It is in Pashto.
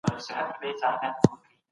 انسان د پرشتو د سجدې وړ وګرځید.